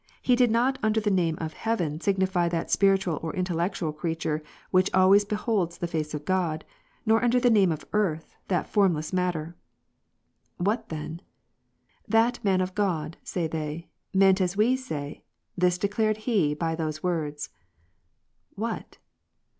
He did not under the name of heaven, signify that spiritual or intellectual creature which always beholds the face of God ; nor under the name of earth, that formless matter. "What then?" "That man of God," say they, "meant as we say, this declared he by those words." "What?"